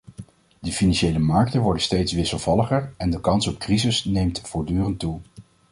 De financiële markten worden steeds wisselvalliger en de kans op crises neemt voortdurend toe.